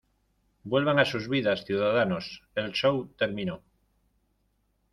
Vuelvan a sus vidas, ciudadanos. El show terminó .